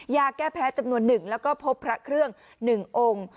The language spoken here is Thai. ยาแก้แพ้จำนวนหนึ่งแล้วก็พบพระเครื่อง๑องค์